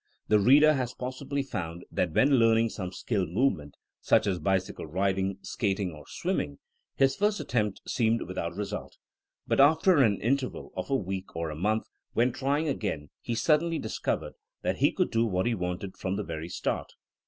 The reader has possibly found that when learning some skilled movement, such as bicycle riding, skating or swimming, his first attempts seemed without result, but after an interval of a week or a month, when trying again, he suddenly dis covered that he could do what he wanted from the very start.